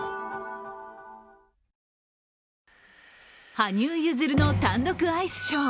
羽生結弦の単独アイスショー。